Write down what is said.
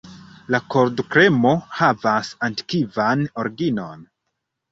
La koldkremo havas antikvan originon.